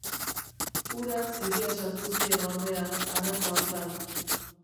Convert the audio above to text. Urak ziria sartu zien, ordea, harako hartan.